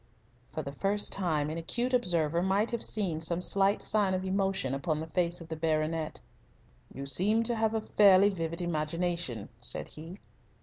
For the first time an acute observer might have seen some slight sign of emotion upon the face of the baronet. "You seem to have a fairly vivid imagination," said he.